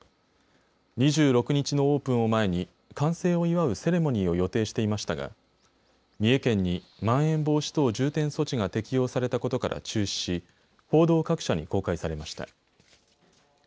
２６日のオープンを前に完成を祝うセレモニーを予定していましたが三重県にまん延防止等重点措置が適用されたことから中止し報道各社に公開されました。